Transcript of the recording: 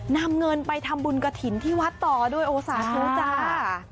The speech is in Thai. นำเงินไปทำบุญกระถิ่นที่วัดต่อด้วยโอสาธุจ้า